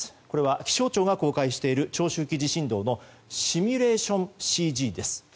これは気象庁が公開している長周期地震動のシミュレーションＣＧです。